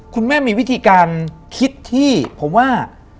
คุณแม่มีวิธีการคิดที่ผมว่า